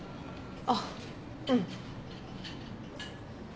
あっうん。